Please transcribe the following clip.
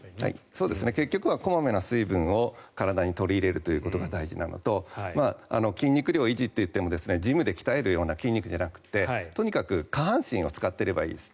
結局は小まめな水分を体に取り入れるということが大事なのと筋肉量維持といってもジムで鍛えるような筋肉じゃなくてとにかく下半身を使っていればいいです。